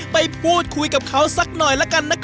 ไปพูดคุยกับเขาซักหน่อยละกัน